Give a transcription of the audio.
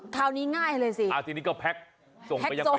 อ๋อคราวนี้ชุดสองง่ายเลยสิ